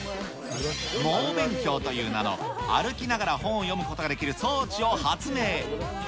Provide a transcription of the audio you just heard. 猛勉強という名の歩きながら本を読むことができる装置を発明。